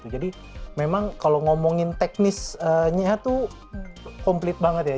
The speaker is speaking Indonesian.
jadi memang kalau ngomongin teknisnya itu komplit banget ya